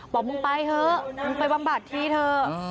บอกมึงไปเถอะมึงไปบำบัดทีเถอะ